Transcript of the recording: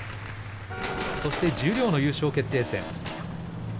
そして十両の優勝決定戦。